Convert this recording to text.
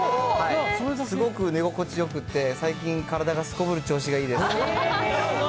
すごく寝心地よくて、最近、体がすこぶる調子がいいです。